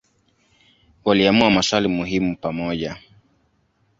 Waliamua maswali muhimu pamoja.